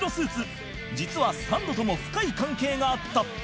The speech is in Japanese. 実はサンドとも深い関係があった